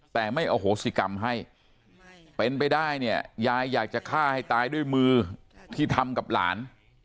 แต่ไม่อโหสิกรรมให้เป็นไปได้เนี่ยยายอยากจะฆ่าให้ตายด้วยมือที่ทำกับหลาน